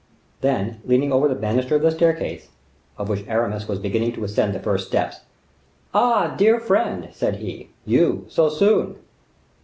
Then, leaning over the banister of the staircase, of which Aramis was beginning to ascend the first steps,— "Ah, dear friend!" said he, "you, so soon!"